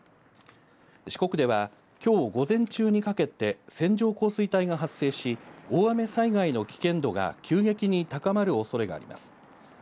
四国では、きょう午前中にかけて線状降水帯が発生し、大雨災害の危険度が急激に高まるおそれがあります。